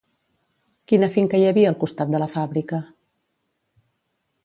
Quina finca hi havia al costat de la fàbrica?